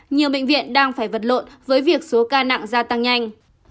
nhiều bệnh viện đang phải vật lộn với việc số ca nặng gia tăng nhanh